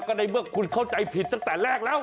ก็ในเมื่อคุณเข้าใจผิดตั้งแต่แรกแล้ว